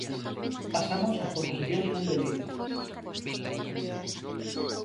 Pasamos ás proposicións non de lei.